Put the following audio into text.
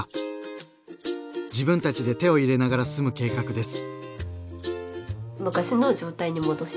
自分たちで手を入れながら住む計画です。